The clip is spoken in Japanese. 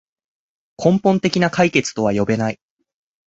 根本的な解決とは呼べない